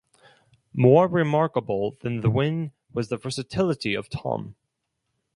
More remarkable than the win was the versatility of Thom.